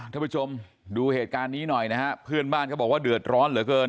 ท่านผู้ชมดูเหตุการณ์นี้หน่อยนะฮะเพื่อนบ้านเขาบอกว่าเดือดร้อนเหลือเกิน